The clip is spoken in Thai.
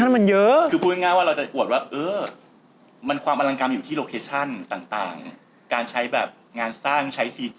มันเยอะคือพูดง่ายว่าเราจะอวดว่าเออมันความอลังกรรมอยู่ที่โลเคชั่นต่างการใช้แบบงานสร้างใช้๔๗